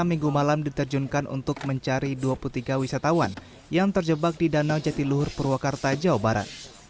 minggu malam diterjunkan untuk mencari dua puluh tiga wisatawan yang terjebak di danau jatiluhur purwakarta jawa barat